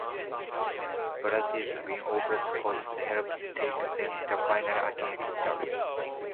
Brazil's win over the hosts helped take them to the final against Italy.